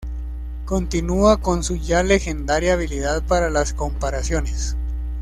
continúa con su ya legendaria habilidad para las comparaciones